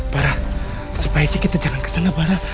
barah sebaiknya kita jangan kesana barah